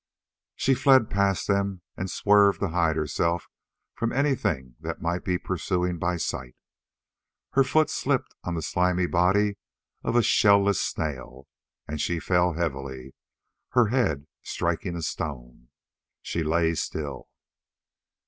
She fled past them and swerved to hide herself from anything that might be pursuing by sight. Her foot slipped on the slimy body of a shell less snail and she fell heavily, her head striking a stone. She lay still.